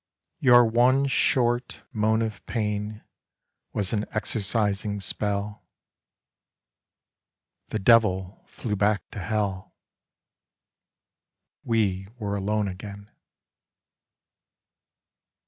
Your one short moan of pain Was an exorcising spell ; The devil flew back to hell ; We were alone again.